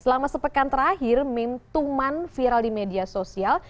selama sepekan terakhir mem tuman viral di media sosial